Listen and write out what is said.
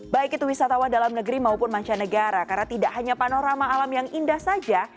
baik itu wisatawan dalam negeri maupun mancanegara karena tidak hanya panorama alam yang indah saja